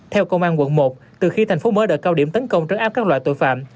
theo công an quận một từ khi thành phố mới đợt cao điểm tấn công trấn áp các loại tội phạm